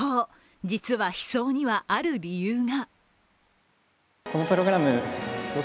実は「悲愴」にはある理由が。